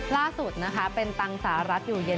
ล่าสุดนะคะเป็นตังสหรัฐอยู่เย็น